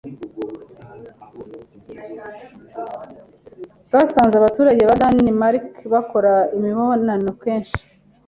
bwasanze abaturage ba Denmark bakora imibonano kenshi